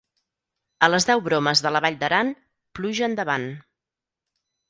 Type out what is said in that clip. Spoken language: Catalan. A les deu bromes de la Vall d'Aran, pluja endavant.